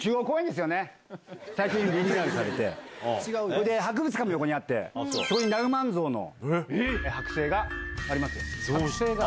最近リニューアルされて博物館も横にあってそこにナウマンゾウの剥製がありますよ。